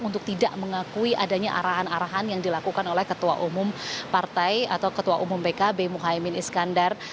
untuk tidak mengakui adanya arahan arahan yang dilakukan oleh ketua umum partai atau ketua umum pkb muhaymin iskandar